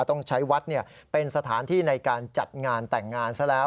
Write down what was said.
ต้องใช้วัดเป็นสถานที่ในการจัดงานแต่งงานซะแล้ว